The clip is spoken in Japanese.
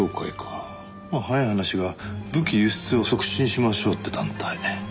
早い話が武器輸出を促進しましょうって団体。